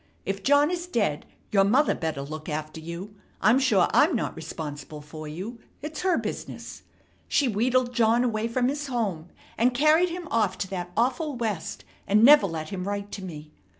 If John is dead, your mother better look after you. I'm sure I'm not responsible for you. It's her business. She wheedled John away from his home, and carried him off to that awful West, and never let him write to me.